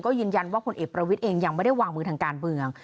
ยืนยันว่าพลเอกประวิทย์เองยังไม่ได้วางมือทางการเมือง